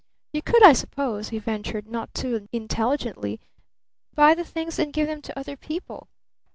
"You could, I suppose," he ventured, not too intelligently, "buy the things and give them to other people."